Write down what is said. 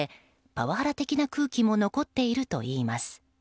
パワハラ的な空気も残っているといいます。